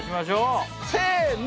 せの。